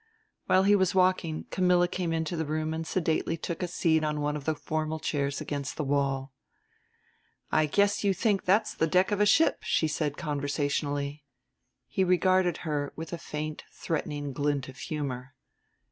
While he was walking Camilla came into the room and sedately took a seat on one of the formal chairs against the wall. "I guess you think that's the deck of a ship," she said conversationally. He regarded her with a faint threatening glint of humor.